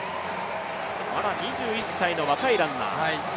まだ２１歳の若いランナー。